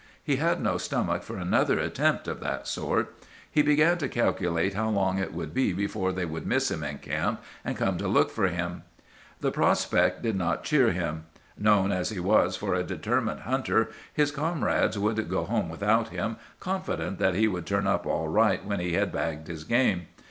He had no stomach for another attempt of that sort. He began to calculate how long it would be before they would miss him in camp, and come to look for him. "The prospect did not cheer him. Known as he was for a determined hunter, his comrades would go home without him, confident that he would turn up all right when he had bagged his game.